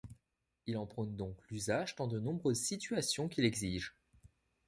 Il en prône donc l'usage dans de nombreuses situations qui l'exigent.